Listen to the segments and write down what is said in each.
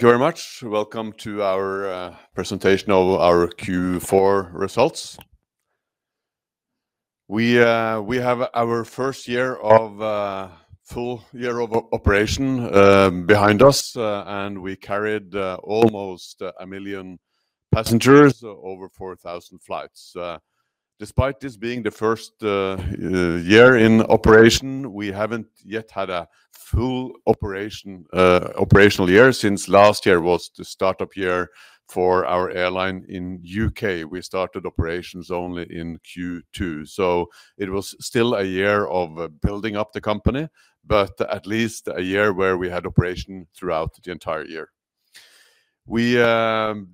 Very much. Welcome to our Presentation of our Q4 results. We have our first full year of operation behind us, and we carried almost 1 million passengers over 4,000 flights. Despite this being the first year in operation, we haven't yet had a full operational year since last year was the startup year for our airline in U.K. We started operations only in Q2, so it was still a year of building up the company, but at least a year where we had operation throughout the entire year. We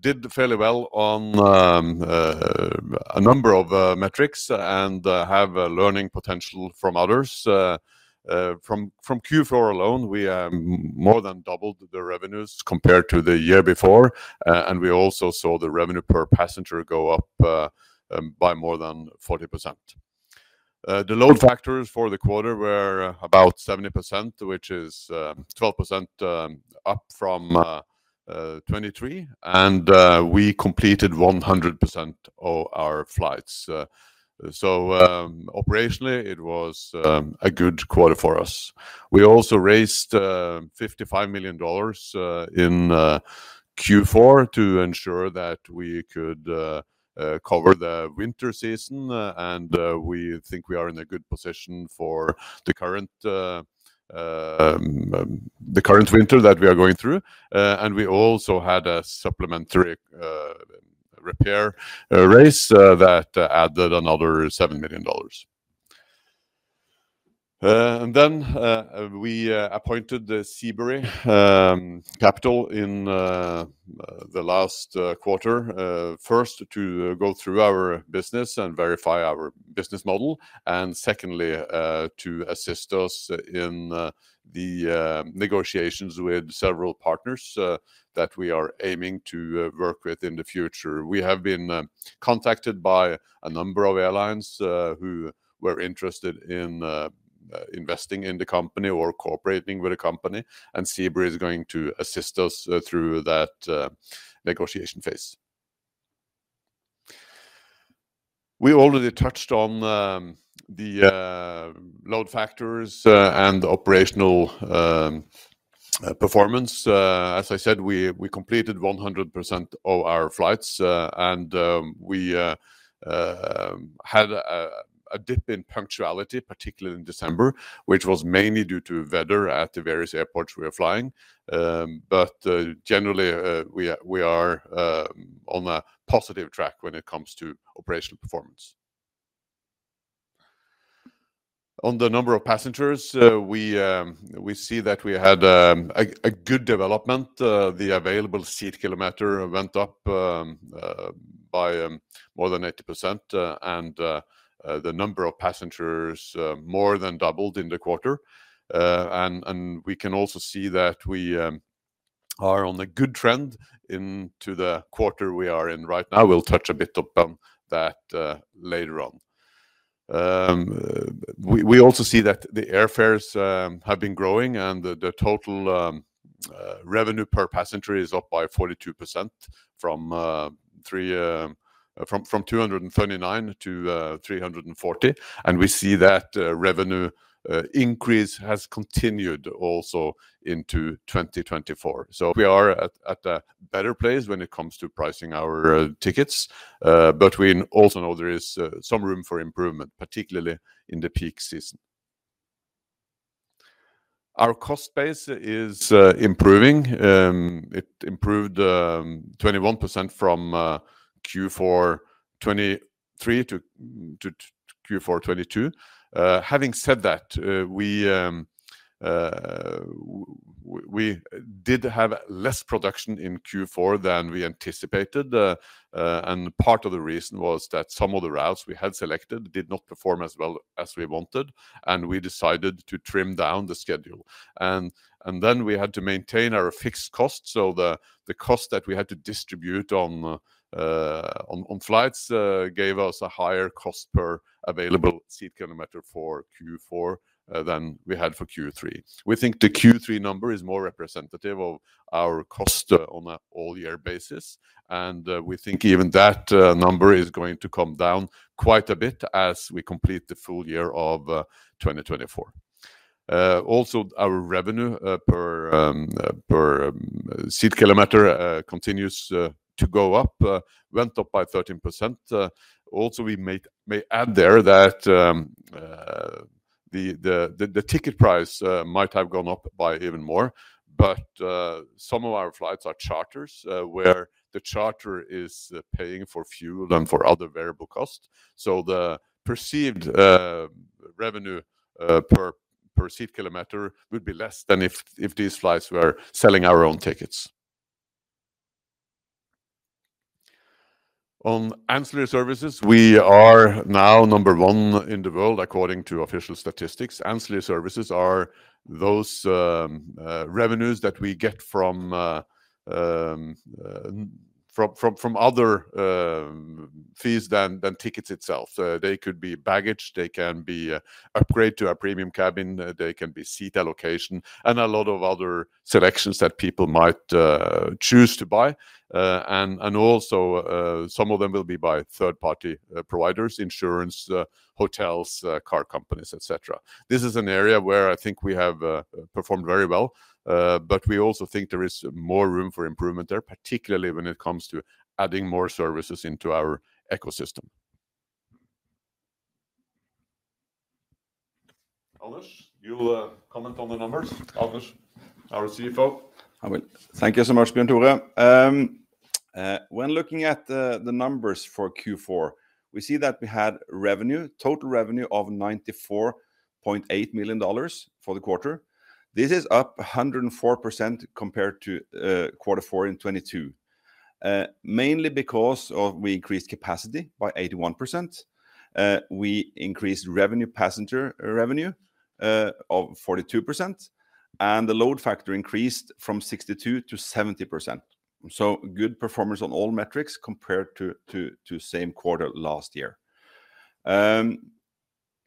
did fairly well on a number of metrics and have learning potential from others. From Q4 alone, we more than doubled the revenues compared to the year before, and we also saw the revenue per passenger go up by more than 40%. The load factors for the quarter were about 70%, which is 12% up from 2023, and we completed 100% of our flights. So, operationally, it was a good quarter for us. We also raised $55 million in Q4 to ensure that we could cover the winter season, and we think we are in a good position for the current winter that we are going through. And we also had a supplementary private raise that added another $7 million. And then we appointed Seabury Capital in the last quarter, first to go through our business and verify our business model, and secondly, to assist us in the negotiations with several partners that we are aiming to work with in the future. We have been contacted by a number of airlines who were interested in investing in the company or cooperating with a company, and Seabury is going to assist us through that negotiation phase. We already touched on the load factors and the operational performance. As I said, we completed 100% of our flights, and we had a dip in punctuality, particularly in December, which was mainly due to weather at the various airports we were flying. But generally, we are on a positive track when it comes to operational performance. On the number of passengers, we see that we had a good development. The available seat kilometer went up by more than 80%, and the number of passengers more than doubled in the quarter. And we can also see that we are on a good trend into the quarter we are in right now. We'll touch a bit upon that, later on. We also see that the airfares have been growing, and the total revenue per passenger is up by 42% from 239-340, and we see that revenue increase has continued also into 2024. So we are at a better place when it comes to pricing our tickets, but we also know there is some room for improvement, particularly in the peak season. Our cost base is improving. It improved 21% from Q4 2023 to Q4 2022. Having said that, we did have less production in Q4 than we anticipated, and part of the reason was that some of the routes we had selected did not perform as well as we wanted, and we decided to trim down the schedule. Then we had to maintain our fixed cost, so the cost that we had to distribute on flights gave us a higher cost per available seat kilometer for Q4 than we had for Q3. We think the Q3 number is more representative of our cost on an all-year basis, and we think even that number is going to come down quite a bit as we complete the full year of 2024. Also, our revenue per seat kilometer continues to go up, went up by 13%. Also, we may add there that the ticket price might have gone up by even more, but some of our flights are charters, where the charter is paying for fuel and for other variable costs, so the perceived revenue per seat kilometer would be less than if these flights were selling our own tickets. On ancillary services, we are now number one in the world according to official statistics. Ancillary services are those revenues that we get from other fees than tickets itself. They could be baggage, they can be an upgrade to a premium cabin, they can be seat allocation, and a lot of other selections that people might choose to buy. And also, some of them will be by third-party providers, insurance, hotels, car companies, etc. This is an area where I think we have performed very well, but we also think there is more room for improvement there, particularly when it comes to adding more services into our ecosystem. Anders, you'll comment on the numbers, Anders, our CFO. I will. Thank you so much, Bjørn Tore. When looking at the numbers for Q4, we see that we had revenue, total revenue of $94.8 million for the quarter. This is up 104% compared to quarter four in 2022, mainly because of we increased capacity by 81%. We increased revenue passenger revenue of 42%, and the load factor increased from 62%-70%. So good performance on all metrics compared to the same quarter last year.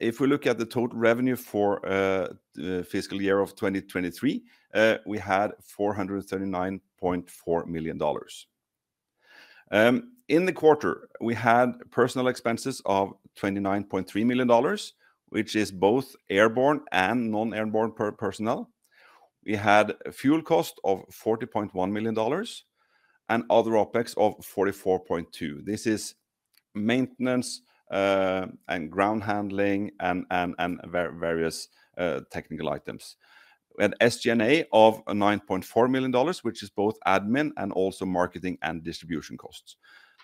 If we look at the total revenue for the fiscal year of 2023, we had $439.4 million. In the quarter, we had personnel expenses of $29.3 million, which is both airborne and non-airborne per personnel. We had fuel cost of $40.1 million and other OpEx of $44.2 million. This is maintenance, ground handling, and various technical items. An SG&A of $9.4 million, which is both admin and also marketing and distribution costs.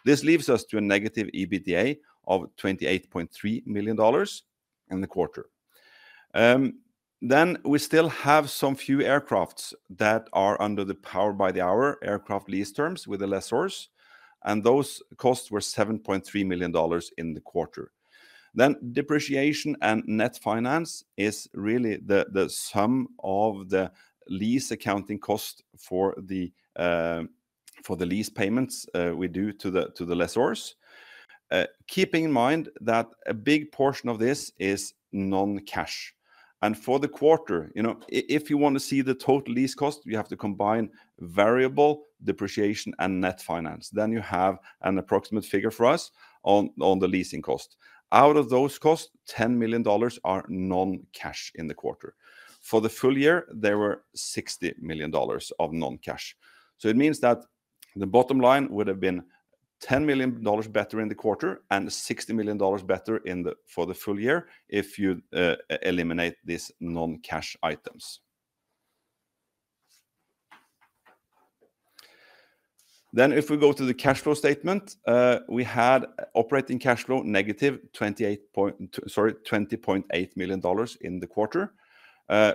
This leaves us to a negative EBITDA of $28.3 million in the quarter. We still have some few aircraft that are under the power-by-the-hour aircraft lease terms with lessors, and those costs were $7.3 million in the quarter. Then depreciation and net finance is really the sum of the lease accounting cost for the lease payments we do to the lessors. Keeping in mind that a big portion of this is non-cash. And for the quarter, you know, if you want to see the total lease cost, you have to combine variable, depreciation, and net finance. Then you have an approximate figure for us on the leasing cost. Out of those costs, $10 million are non-cash in the quarter. For the full year, there were $60 million of non-cash. So it means that the bottom line would have been $10 million better in the quarter and $60 million better in the for the full year if you eliminate these non-cash items. Then if we go to the cash flow statement, we had operating cash flow negative $28.8 million in the quarter.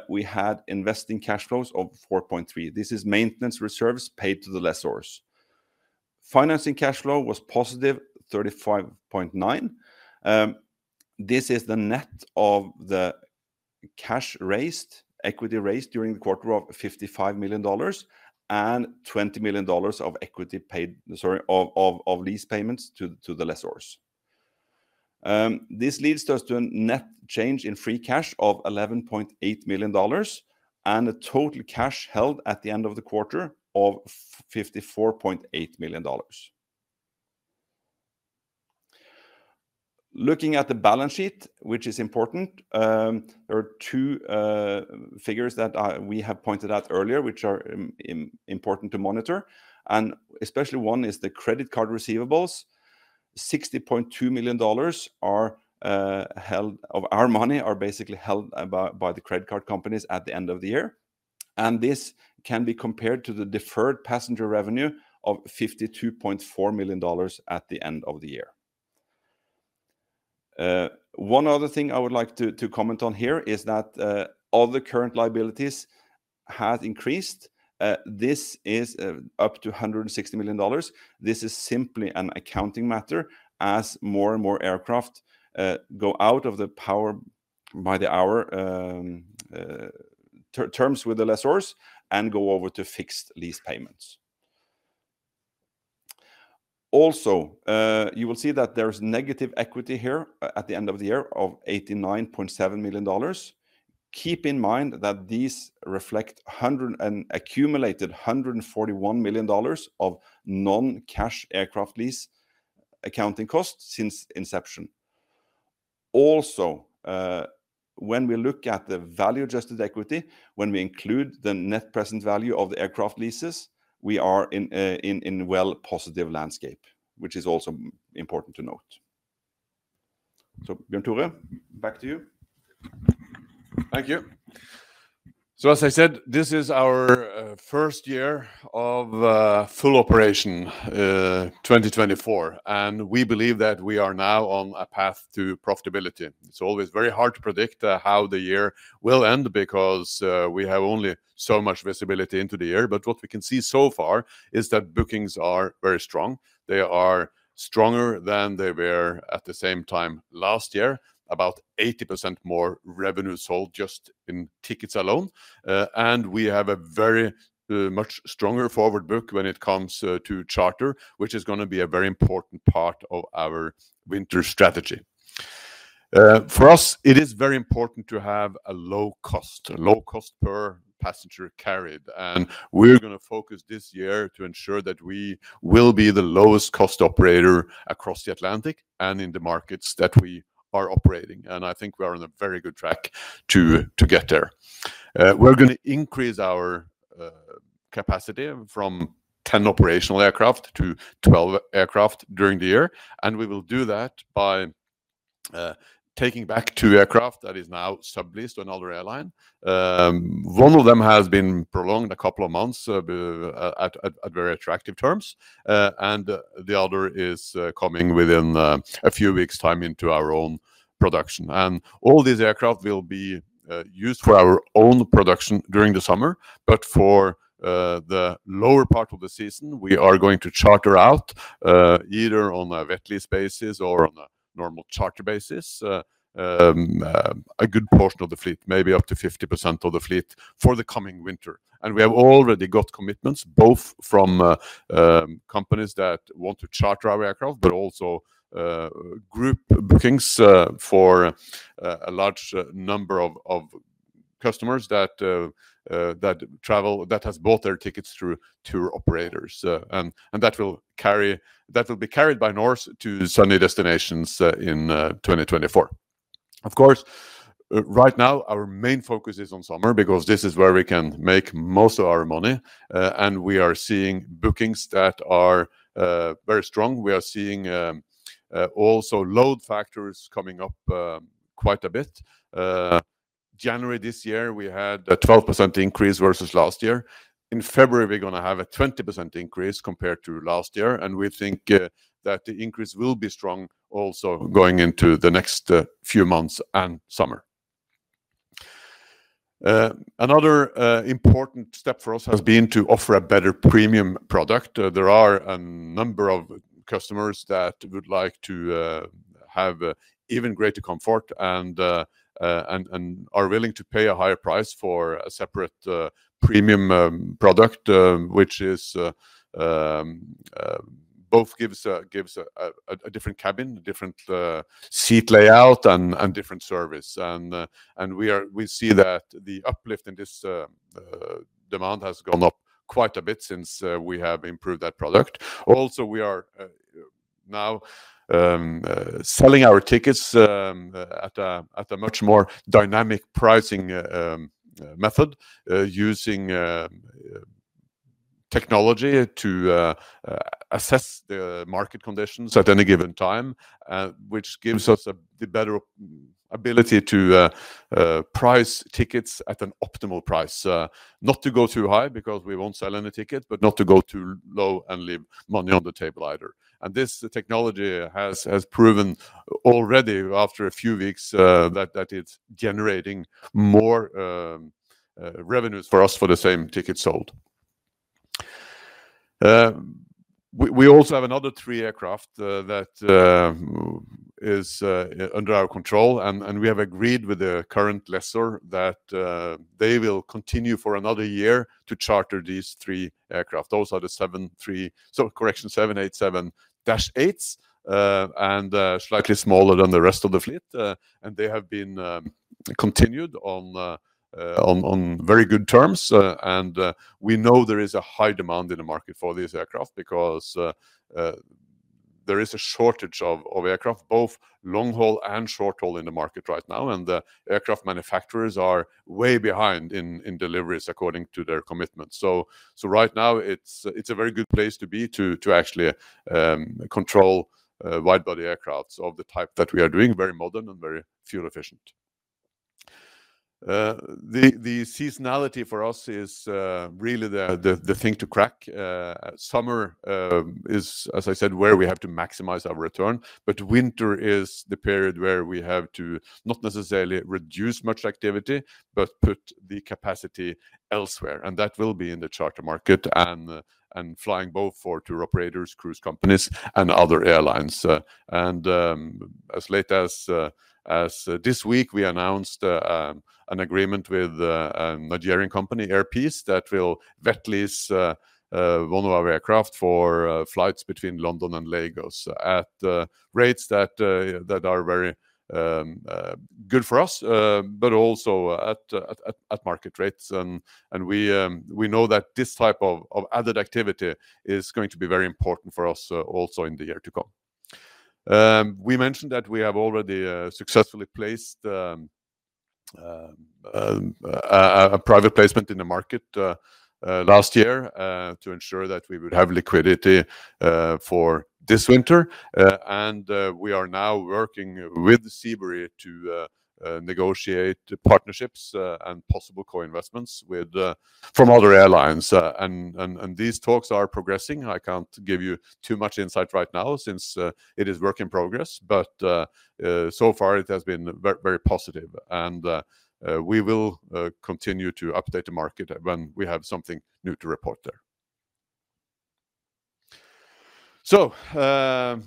We had investing cash flows of $4.3 million. This is maintenance reserves paid to the lessors. Financing cash flow was positive $35.9 million. This is the net of the cash raised, equity raised during the quarter of $55 million and $20 million of equity paid, sorry, of lease payments to the lessors. This leads us to a net change in free cash of $11.8 million and a total cash held at the end of the quarter of $54.8 million. Looking at the balance sheet, which is important, there are two figures that we have pointed out earlier, which are important to monitor. Especially one is the credit card receivables. $60.2 million are held of our money, are basically held by the credit card companies at the end of the year. This can be compared to the deferred passenger revenue of $52.4 million at the end of the year. One other thing I would like to comment on here is that all the current liabilities have increased. This is up to $160 million. This is simply an accounting matter as more and more aircraft go out of the power-by-the-hour terms with the lessors and go over to fixed lease payments. Also, you will see that there's negative equity here at the end of the year of $89.7 million. Keep in mind that these reflect 100 and accumulated $141 million of non-cash aircraft lease accounting costs since inception. Also, when we look at the value-adjusted equity, when we include the net present value of the aircraft leases, we are in a well-positive landscape, which is also important to note. So, Bjørn Tore, back to you. Thank you. So, as I said, this is our first year of full operation, 2024, and we believe that we are now on a path to profitability. It's always very hard to predict how the year will end because we have only so much visibility into the year. But what we can see so far is that bookings are very strong. They are stronger than they were at the same time last year, about 80% more revenue sold just in tickets alone. And we have a very much stronger forward book when it comes to charter, which is going to be a very important part of our winter strategy. For us, it is very important to have a low cost, a low cost per passenger carried. We're going to focus this year to ensure that we will be the lowest cost operator across the Atlantic and in the markets that we are operating. I think we are on a very good track to get there. We're going to increase our capacity from 10 operational aircraft to 12 aircraft during the year. We will do that by taking back two aircraft that are now subleased to another airline. One of them has been prolonged a couple of months at very attractive terms. The other is coming within a few weeks' time into our own production. All these aircraft will be used for our own production during the summer. But for the lower part of the season, we are going to charter out, either on a wet-lease basis or on a normal charter basis, a good portion of the fleet, maybe up to 50% of the fleet for the coming winter. We have already got commitments both from companies that want to charter our aircraft, but also group bookings for a large number of customers that travel that has bought their tickets through tour operators, and that will be carried by Norse to sunny destinations in 2024. Of course, right now, our main focus is on summer because this is where we can make most of our money. We are seeing bookings that are very strong. We are seeing also load factors coming up quite a bit. January this year, we had a 12% increase versus last year. In February, we're going to have a 20% increase compared to last year. We think that the increase will be strong also going into the next few months and summer. Another important step for us has been to offer a better premium product. There are a number of customers that would like to have even greater comfort and are willing to pay a higher price for a separate premium product, which both gives a different cabin, different seat layout and different service. We see that the uplift in this demand has gone up quite a bit since we have improved that product. Also, we are now selling our tickets at a much more dynamic pricing method, using technology to assess the market conditions at any given time, which gives us the better ability to price tickets at an optimal price, not to go too high because we won't sell any tickets, but not to go too low and leave money on the table either. And this technology has proven already after a few weeks that it's generating more revenues for us for the same tickets sold. We also have another 3 aircraft that is under our control. And we have agreed with the current lessor that they will continue for another year to charter these 3 aircraft. Those are the 73, so correction, 787-8s, and slightly smaller than the rest of the fleet. And they have been continued on very good terms. We know there is a high demand in the market for these aircraft because there is a shortage of aircraft, both long-haul and short-haul in the market right now. And the aircraft manufacturers are way behind in deliveries according to their commitments. So right now, it's a very good place to be to actually control widebody aircraft of the type that we are doing, very modern and very fuel efficient. The seasonality for us is really the thing to crack. Summer is, as I said, where we have to maximize our return, but winter is the period where we have to not necessarily reduce much activity, but put the capacity elsewhere. And that will be in the charter market and flying both for tour operators, cruise companies, and other airlines. And as late as this week, we announced an agreement with a Nigerian company, Air Peace, that will wet-lease one of our aircraft for flights between London and Lagos at rates that are very good for us, but also at market rates. And we know that this type of added activity is going to be very important for us also in the year to come. We mentioned that we have already successfully placed a private placement in the market last year to ensure that we would have liquidity for this winter. And we are now working with Seabury to negotiate partnerships and possible co-investments with from other airlines. And these talks are progressing. I can't give you too much insight right now since it is work in progress, but so far it has been very, very positive. We will continue to update the market when we have something new to report there. So,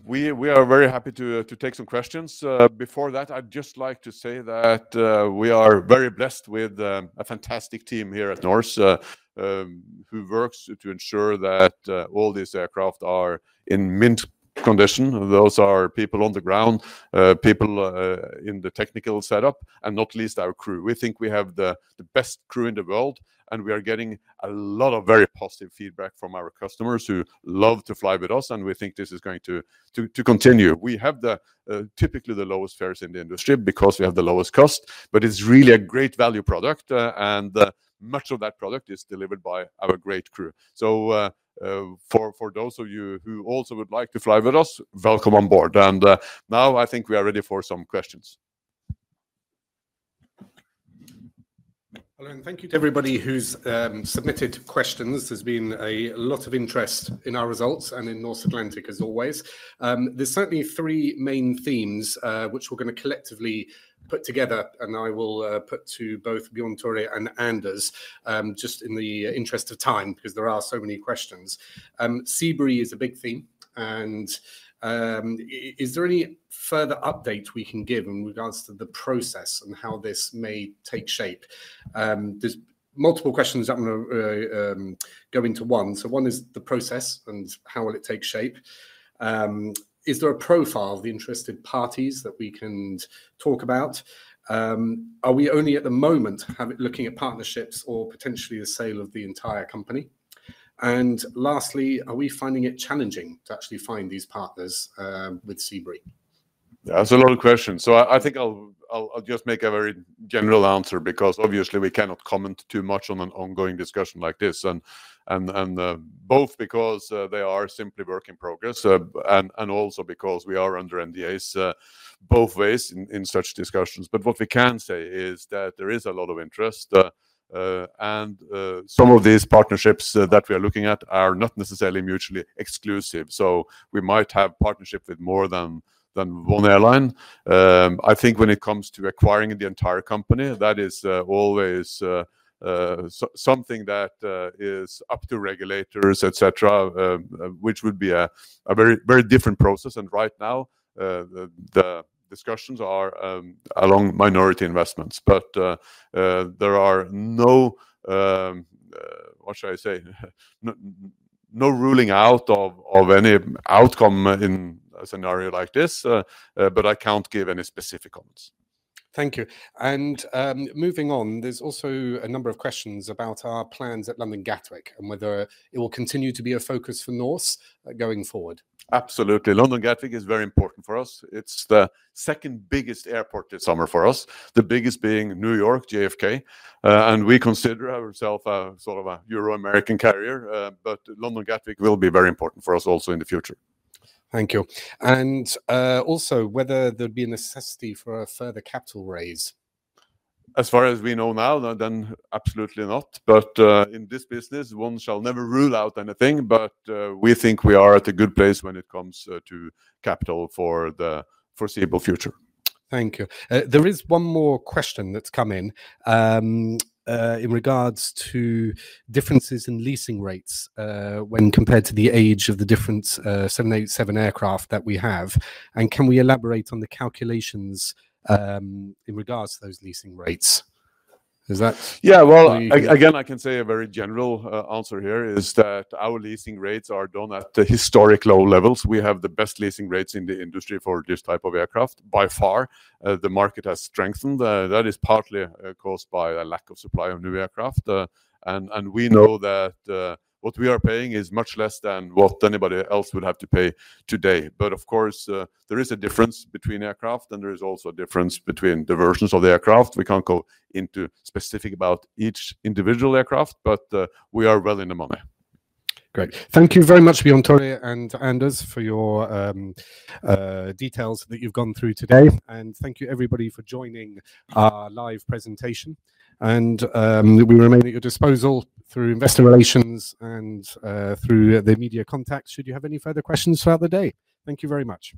we are very happy to take some questions. Before that, I'd just like to say that we are very blessed with a fantastic team here at Norse who works to ensure that all these aircraft are in mint condition. Those are people on the ground, people in the technical setup, and not least our crew. We think we have the best crew in the world, and we are getting a lot of very positive feedback from our customers who love to fly with us, and we think this is going to continue. We have typically the lowest fares in the industry because we have the lowest cost, but it's really a great value product, and much of that product is delivered by our great crew. So, for those of you who also would like to fly with us, welcome on board. Now I think we are ready for some questions. Hello, and thank you to everybody who's submitted questions. There's been a lot of interest in our results and in Norse Atlantic, as always. There's certainly three main themes, which we're going to collectively put together, and I will put to both Bjørn Tore and Anders, just in the interest of time because there are so many questions. Seabury is a big theme, and is there any further update we can give in regards to the process and how this may take shape? There's multiple questions that I'm going to go into one. So one is the process and how will it take shape. Is there a profile of the interested parties that we can talk about? Are we only at the moment looking at partnerships or potentially the sale of the entire company? And lastly, are we finding it challenging to actually find these partners with Seabury? That's a lot of questions. So I think I'll just make a very general answer because obviously we cannot comment too much on an ongoing discussion like this. And both because they are simply work in progress, and also because we are under NDAs, both ways in such discussions. But what we can say is that there is a lot of interest, and some of these partnerships that we are looking at are not necessarily mutually exclusive. So we might have partnership with more than one airline. I think when it comes to acquiring the entire company, that is always something that is up to regulators, etc., which would be a very, very different process. And right now, the discussions are along minority investments. But, there are no, what should I say, no ruling out of any outcome in a scenario like this, but I can't give any specific comments. Thank you. Moving on, there's also a number of questions about our plans at London Gatwick and whether it will continue to be a focus for Norse going forward. Absolutely. London Gatwick is very important for us. It's the second biggest airport this summer for us, the biggest being New York, JFK. We consider ourselves a sort of Euro-American carrier, but London Gatwick will be very important for us also in the future. Thank you. Also, whether there'd be a necessity for a further capital raise. As far as we know now, then absolutely not. But, in this business, one shall never rule out anything, but, we think we are at a good place when it comes to capital for the foreseeable future. Thank you. There is one more question that's come in, in regards to differences in leasing rates, when compared to the age of the different 787 aircraft that we have. And can we elaborate on the calculations, in regards to those leasing rates? Is that? Yeah, well, again, I can say a very general answer here is that our leasing rates are done at the historic low levels. We have the best leasing rates in the industry for this type of aircraft by far. The market has strengthened. That is partly caused by a lack of supply of new aircraft. And we know that what we are paying is much less than what anybody else would have to pay today. But of course, there is a difference between aircraft and there is also a difference between the versions of the aircraft. We can't go into specific about each individual aircraft, but we are well in the money. Great. Thank you very much, Bjørn Tore and Anders, for your details that you've gone through today. Thank you, everybody, for joining our live presentation. We remain at your disposal through investor relations and through the media contacts should you have any further questions throughout the day. Thank you very much.